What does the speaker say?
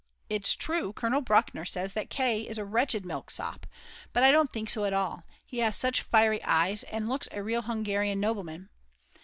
It's true, Colonel Bruckner says that K. is a wretched milksop; but I don't think so at all; he has such fiery eyes, and looks a real Hungarian nobleman.